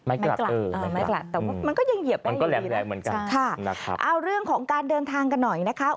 ไม้กลักเออไม้กลักแต่มันก็ยังเหยียบได้อยู่ดีนะค่ะค่ะเอาเรื่องของการเดินทางกันหน่อยนะคะ